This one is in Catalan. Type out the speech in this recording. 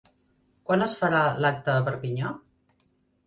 Quan es farà l'acte a Perpinyà?